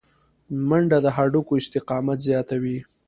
منډه د هډوکو استقامت زیاتوي